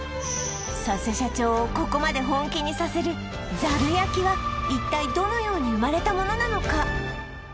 佐瀬社長をここまで本気にさせるざる焼は一体どのように生まれたものなのか？